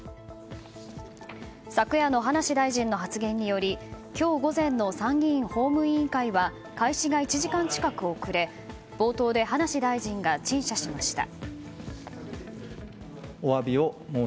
昨夜の葉梨大臣の発言により今日午前の参議院法務委員会は開始が１時間近く遅れ冒頭で葉梨大臣が陳謝しました。